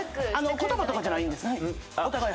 言葉とかじゃないんですお互い。